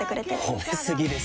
褒め過ぎですよ。